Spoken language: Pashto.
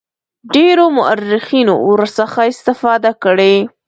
ډیرو مورخینو ورڅخه استفاده کړې.